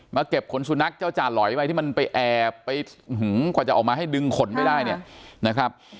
เก็บขนสุนัขเจ้าจาหลอยไปที่มันไปแอบไปกว่าจะออกมาให้ดึงขนไปได้เนี่ยนะครับ